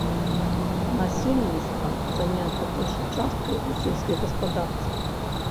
Насельніцтва занята большай часткай у сельскай гаспадарцы.